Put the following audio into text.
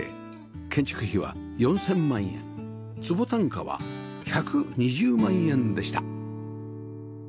建築費は４０００万円坪単価は１２０万円でした